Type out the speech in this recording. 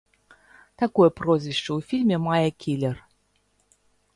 Такое прозвішча ў фільме мае кілер.